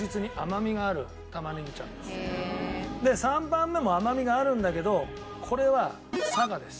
で３番目も甘みがあるんだけどこれは佐賀です。